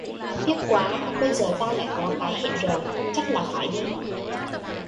Tiếc quá Bây giờ tao lại có cái hẹn rồi Chắc là phải đi